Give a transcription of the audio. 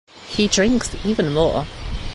He drinks even more.